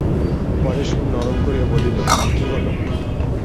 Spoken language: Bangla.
পরে সুর নরম করিয়া বলিল, কি হল?